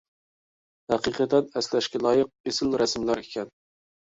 ھەقىقەتەن ئەسلەشكە لايىق ئېسىل رەسىملەركەن.